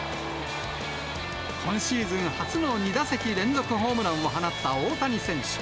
今シーズン初の２打席連続ホームランを放った大谷選手。